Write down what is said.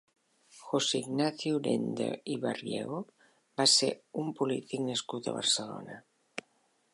José Ignacio Urenda i Bariego va ser un polític nascut a Barcelona.